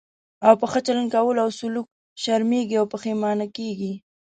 او په ښه چلند کولو او سلوک شرمېږي او پښېمانه کېږي.